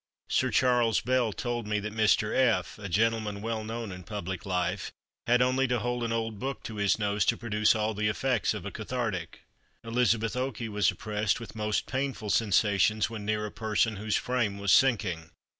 Sir Charles Bell told me that Mr. F——, a gentleman well known in public life, had only to hold an old book to his nose to produce all the effects of a cathartic. Elizabeth Okey was oppressed with most painful sensations when near a person whose frame was sinking.